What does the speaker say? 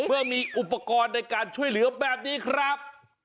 เมื่อมีอุปกรณ์ในการช่วยเหลือแบบนี้ครับ